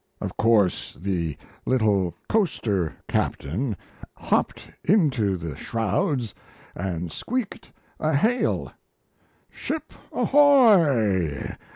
Of course, the little coaster captain hopped into the shrouds and squeaked a hail: 'Ship ahoy!